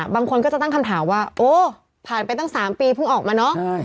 บางคนก็จะตั้งคำถามว่าโอ้ผ่านไปตั้ง๓ปีเพิ่งออกมาเนอะ